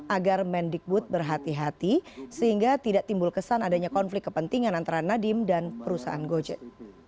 agar mendikbud berhati hati sehingga tidak timbul kesan adanya konflik kepentingan antara nadiem dan perusahaan gojek